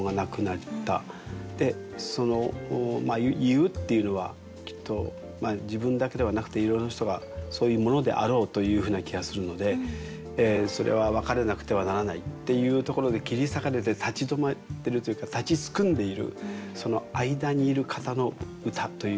その「云ふ」っていうのはきっと自分だけではなくていろいろな人がそういうものであろうというふうな気がするのでそれは別れなくてはならないっていうところで切り裂かれて立ち止まってるというか立ちすくんでいるその間にいる方の歌という気がしてですね。